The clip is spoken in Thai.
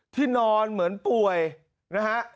ที่นอนเหมือนป่วยนะฮะ